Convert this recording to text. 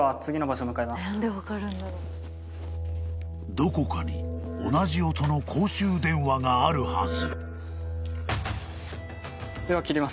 ☎［どこかに同じ音の公衆電話があるはず］